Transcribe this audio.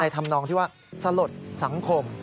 ในธรรมนองที่ว่าสลดสังคม